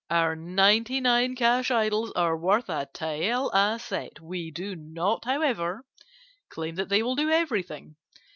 Our ninety nine cash idols are worth a tael a set. We do not, however, claim that they will do everything.